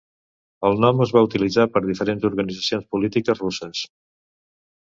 El nom es va utilitzar per diferents organitzacions polítiques russes.